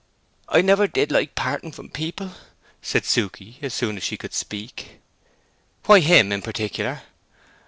"I never did like parting from people!" said Suke, as soon as she could speak. "Why him in particular?"